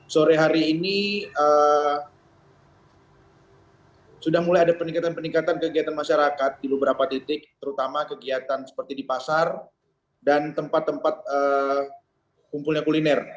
sore hari ini sudah mulai ada peningkatan peningkatan kegiatan masyarakat di beberapa titik terutama kegiatan seperti di pasar dan tempat tempat kumpulnya kuliner